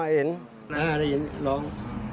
อะได้ยินรอง